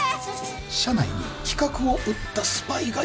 社内に企画を売ったスパイがいるかもしれない。